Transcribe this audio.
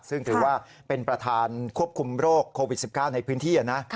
ซึ่งถือว่าเป็นประธานควบคุมโรคโควิด๑๙ในพื้นที่นะ